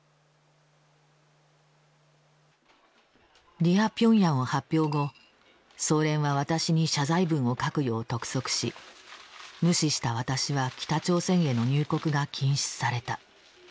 「ディア・ピョンヤン」を発表後総連は私に謝罪文を書くよう督促し無視した私は北朝鮮への入国が禁止された。